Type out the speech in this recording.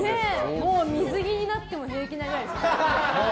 もう水着になっても平気なくらいですね。